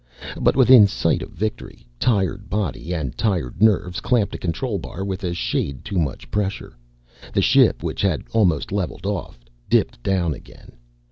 But within sight of victory, tired body and tired nerves clamped a control bar with a shade too much pressure. The ship, which had almost levelled off, dipped down again.